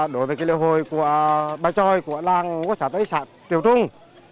đối với lễ hội bài tròi của làng quốc gia tây sạng triều trung